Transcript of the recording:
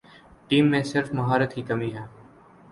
Team میں صرف مہارت کی کمی ہے ۔